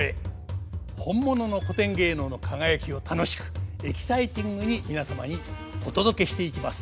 本物の古典芸能の輝きを楽しくエキサイティングに皆様にお届けしていきます。